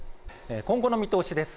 今後の見通しです。